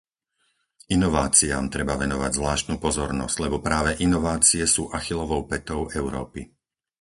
Inováciám treba venovať zvláštnu pozornosť, lebo práve inovácie sú Achillovou pätou Európy.